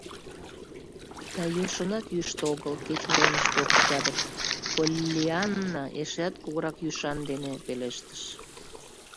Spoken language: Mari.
— Да йӧршынат йӱштӧ огыл, кеч уремыште октябрь, — Поллианна эшеат кугурак ӱшан дене пелештыш.